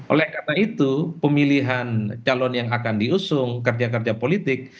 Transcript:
oleh karena itu pemilihan calon yang akan diusung kerja kerja politik